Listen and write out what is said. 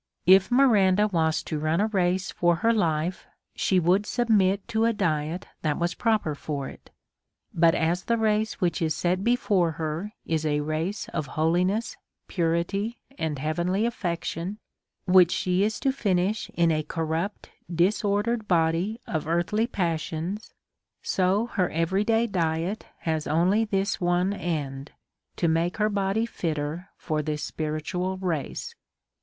If Miranda were to run a race for her life^ she would submit to a diet liiat ^vas proper for it. But as the race which is set before her is a race of holiness, purity, and heavenly affection, whicii she is to finish in a corrupt, disorder ed body of earthly passions, so her every day diet has only this one end, to make her body fitter for this spiritual race.